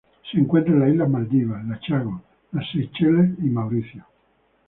Se encuentran en las islas Maldivas., Chagos, las Seychelles y Mauricio